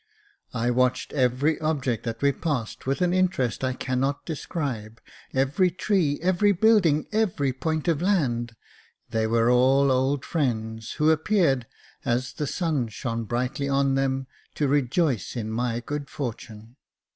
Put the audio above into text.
I watched every object that we passed with an interest I cannot describe j every tree, every building, every point of land — they were all old friends, who appeared, as the sun shone brightly on them, to rejoice in my good fortune.